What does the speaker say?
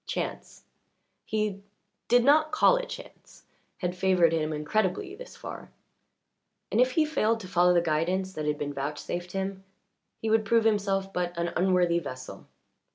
Chance he did not call it chance had favoured him incredibly thus far, and if he failed to follow the guidance that had been vouchsafed him he would prove himself but an unworthy vessel.